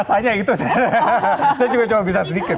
hahaha enak nggak rasanya itu bisa sedikit